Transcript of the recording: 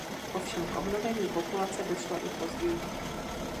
Ovšem k obnovení populace došlo i později.